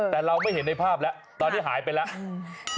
แต่เราไม่เห็นในภาพแล้วตอนนี้หายไปแล้ว